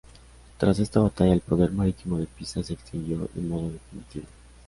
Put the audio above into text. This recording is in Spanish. Tras esta batalla, el poder marítimo de Pisa se extinguió de modo definitivo.